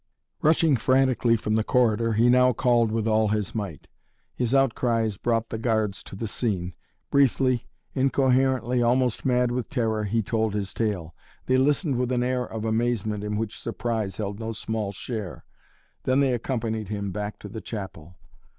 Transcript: Rushing frantically from the corridor he now called with all his might. His outcries brought the guards to the scene. Briefly, incoherently, almost mad with terror, he told his tale. They listened with an air of amazement in which surprise held no small share. Then they accompanied him back to the chapel.